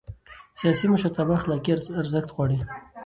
سیاسي مشرتابه اخلاقي ارزښت غواړي